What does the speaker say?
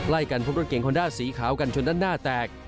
ใกล้กันพบรถเก่งคอนด้าสีขาวกันชนด้านหน้าแตก